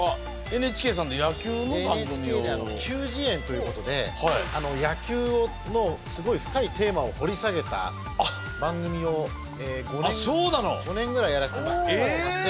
ＮＨＫで「球辞苑」ということで野球のすごい深いテーマを掘り下げた番組を５年ぐらいやらせてもらってまして。